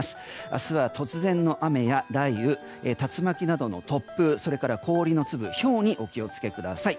明日は突然の雨や雷雨竜巻などの突風それから氷の粒、ひょうにお気をつけください。